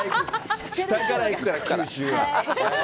下から行くから、九州は。